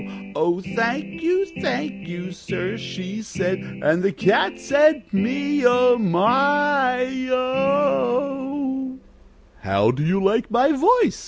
'Oh, thank you, thank you, sir,' she said, And the Cat said, 'Me oh! my oh!'" "How do you like my voice?"